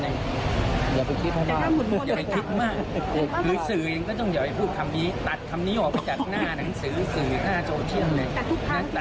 อย่าไปคิดเฉพาะ